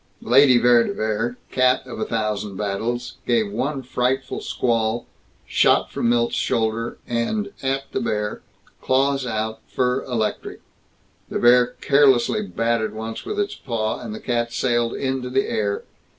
Lady Vere de Vere, cat of a thousand battles, gave one frightful squawl, shot from Milt's shoulder and at the bear, claws out, fur electric. The bear carelessly batted once with its paw, and the cat sailed into the air.